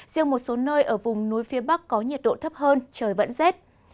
riêng một số nơi ở vùng núi phía bắc có nhiệt độ thấp hơn trời vẫn rét